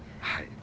はい。